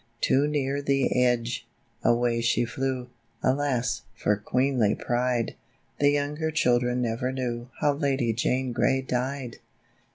Too near the edge, away she flew ; Alas, for queenly pride ! The younger children never knew How Lady Jane Grey died.